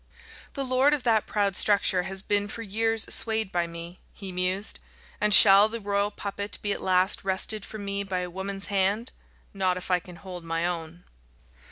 "The lord of that proud structure has been for years swayed by me," he mused, "and shall the royal puppet be at last wrested from me by a woman's hand? Not if I can hold my own."